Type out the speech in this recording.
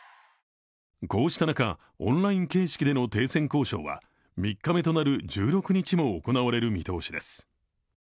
こうした中、オンライン形式での停戦交渉は３日目となる１６日も行われる見通しです。